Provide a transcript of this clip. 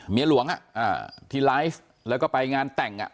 เมียหลวงที่ไลฟ์แล้วก็ไปงานแต่ง